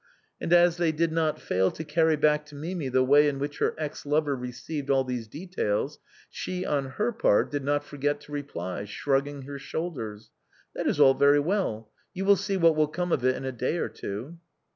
And as they did not fail to carry back to Mimi the way in which her ex lover received all these details, she on her part did not forget to reply, shrugging her shoulders :" That is all very well, you will see what will come of it in a day or two."